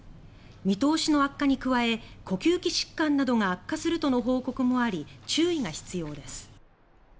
見通しの悪化に加え呼吸器疾患などが悪化するとの報告もあり注意が必要です。